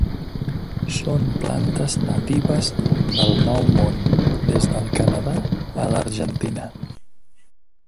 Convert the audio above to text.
Són plantes natives del Nou Món des del Canadà a l'Argentina.